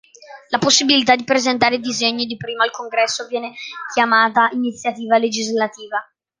La possibilità di presentare disegni di prima al Congresso viene chiamata iniziativa legislativa.